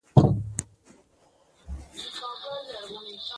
ډیجیټل بانکوالي د وخت او انرژۍ سپما ده.